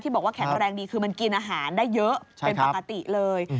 บอกว่าแข็งแรงดีคือมันกินอาหารได้เยอะเป็นปกติเลย